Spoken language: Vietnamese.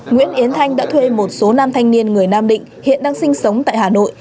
nguyễn yến thanh đã thuê một số nam thanh niên người nam định hiện đang sinh sống tại hà nội